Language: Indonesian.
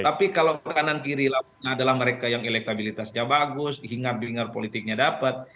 tapi kalau kanan kiri adalah mereka yang elektabilitasnya bagus hingga hingga politiknya dapat